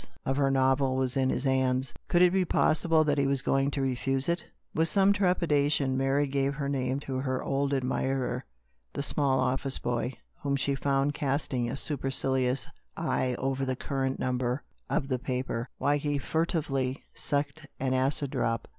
of her novel was in his hands. Could it be possible that he was going to refuse it ? With some trepidation Mary gave her / 47 220 , THE STORY OF A MODERN WOMAN. I mfaae to her old admirer the small office boy, whom she found casting a supercilious eye over the current number of the paper, while he furtively sucked an acid drop.